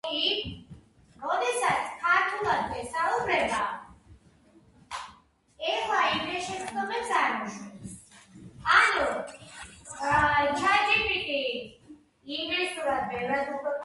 ომმა ობიექტურად ხელი შეუწყო ადგილობრივი წარმოებისა და ვაჭრობის განვითარებას.